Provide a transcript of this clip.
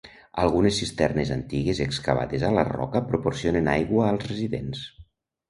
Algunes cisternes antigues excavades a la roca proporcionen aigua als residents.